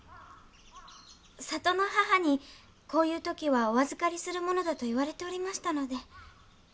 里の母にこういう時はお預かりするものだと言われておりましたので。